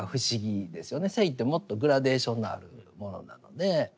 性ってもっとグラデーションのあるものなので。